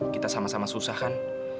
kita sama sama susah kan